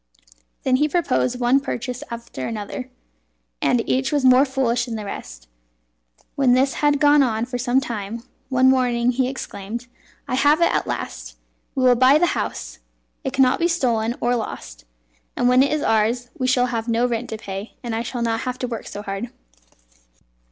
He then proposed one purchase after another, and each was more foolish than the rest. When this had gone on for some time, one morning he exclaimed: "I have it at last! We will buy the house. It cannot be stolen or lost, and when it is ours we shall have no rent to pay, and I shall not have to work so hard."